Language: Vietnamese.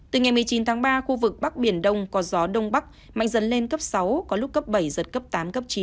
từ ngày một mươi chín tháng ba khu vực bắc biển đông có gió đông bắc mạnh dần lên cấp sáu có lúc cấp bảy giật cấp tám cấp chín